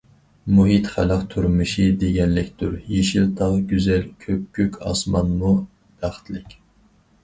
مۇھىت خەلق تۇرمۇشى دېگەنلىكتۇر، يېشىل تاغ گۈزەل، كۆپكۆك ئاسمانمۇ بەختلىك.